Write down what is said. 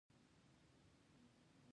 اوس یوازې مېکاروني پاتې ده.